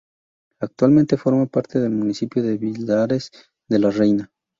Actualmente forma parte del municipio de Villares de la Reina.